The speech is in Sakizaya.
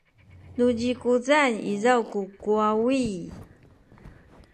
nu zikuzan izaw ku kuwawi